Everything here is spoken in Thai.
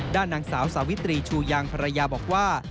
ด้านนางสาวสาวิตรีชูยางภรรยาบอกว่า